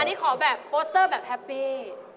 อันนี้ขอแบบโปสเตอร์แบบแฮปปี้